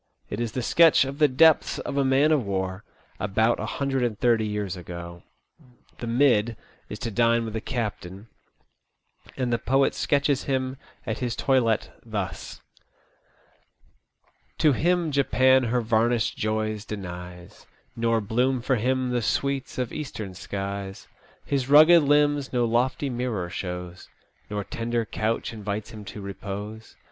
It is the sketch of the depths of a man of war, about a hundred and thirty years ago. The " mid " is to dine with the captain^ and the poet sketches him at his toilette thus :" To him Japan her varnished joys denies, Nor bloom for him the sweets of Eastern skies ; His rugged limbs no lofty mirror shows ; Nor tender couch invites him to repose.